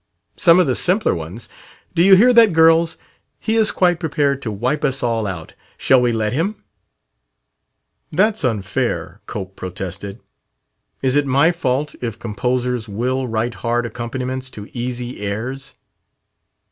"Some of the simpler ones! Do you hear that, girls? He is quite prepared to wipe us all out. Shall we let him?" "That's unfair," Cope protested. "Is it my fault if composers will write hard accompaniments to easy airs?"